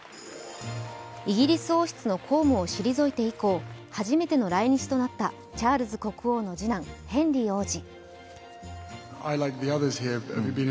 イギリス王室の公務を退いて以降、初めての来日となったチャールズ国王の次男ヘンリー王子。